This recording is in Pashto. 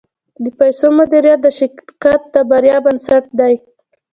د پیسو مدیریت د شرکت د بریا بنسټ دی.